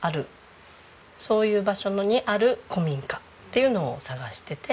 そういう場所にある古民家っていうのを探してて。